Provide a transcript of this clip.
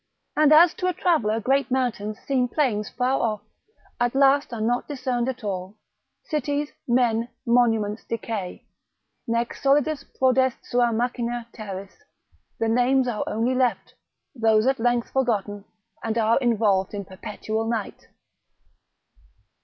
And as to a traveller great mountains seem plains afar off, at last are not discerned at all; cities, men, monuments decay,—nec solidis prodest sua machina terris, the names are only left, those at length forgotten, and are involved in perpetual night.